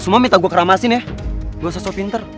semua minta gue keramasin ya gue sosok pinter